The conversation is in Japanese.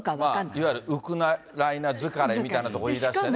いわゆるウクライナ疲れみたいなことを言い出してね。